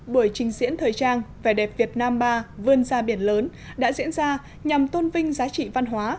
buổi trình diễn thời trang vẻ đẹp việt nam ba vươn ra biển lớn đã diễn ra nhằm tôn vinh giá trị văn hóa